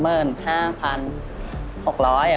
เออ